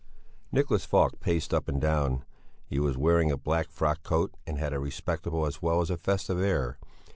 Nicholas Falk paced up and down. He was wearing a black frock coat, and had a respectable as well as a festive air.